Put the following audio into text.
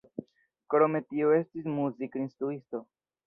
Krome tio estis muzikinstruisto.